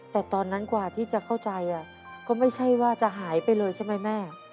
แต่ตอนนั้นกว่าที่จะเข้าใจก็ไม่ใช่ว่าจะหายไปเลยใช่ไหมแม่